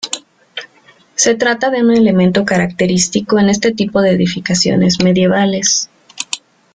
Se trata de un elemento característico en este tipo de edificaciones medievales.